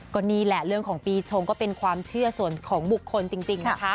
ก็นี่แหละเรื่องของปีชงก็เป็นความเชื่อส่วนของบุคคลจริงนะคะ